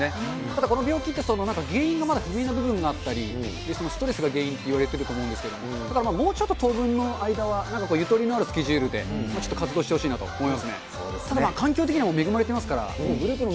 ただ、この病気って、原因がまだ不明な部分があったり、その、ストレスが原因っていわれてたりするんですけれども、だからもうちょっと当分の間は、なんかこうゆとりのあるスケジュールで、ちょっと活動してほしいなと思いますね。